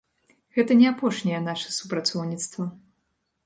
Гэта не апошняе наша супрацоўніцтва.